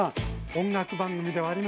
音楽番組ではありません。